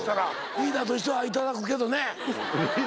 リーダーとしては頂く？